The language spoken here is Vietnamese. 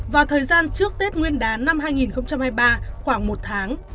vào thời gian trước tết nguyên đán năm hai nghìn hai mươi ba khoảng một tháng